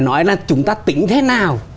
nói là chúng ta tính thế nào